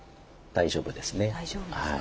大丈夫ですか？